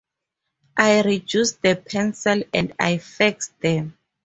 I reduce the pencils and I fax them.